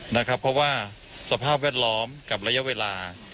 เพราะว่าสภาพแวดล้อมกับระยะเวลา